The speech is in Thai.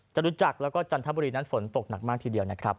จรุจักรแล้วก็จันทบุรีนั้นฝนตกหนักมากทีเดียวนะครับ